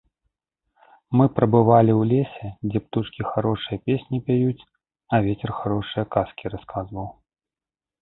Мы прабывалі ў лесе, дзе птушкі харошыя песні пяюць, а вецер харошыя казкі расказваў.